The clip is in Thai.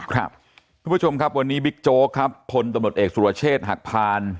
คุณผู้ชมครับวันนี้บิ๊กโจ๊กครับพลตำรวจเอกสุรเชษฐ์หักพาน